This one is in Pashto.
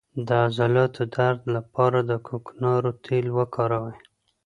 د عضلاتو درد لپاره د کوکنارو تېل وکاروئ